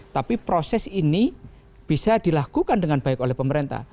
tapi proses ini bisa dilakukan dengan baik oleh pemerintah